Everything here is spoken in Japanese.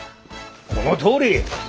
このとおり！